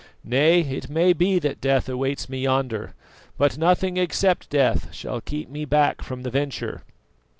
"Nay, it may be that death awaits me yonder, but nothing except death shall keep me back from the venture."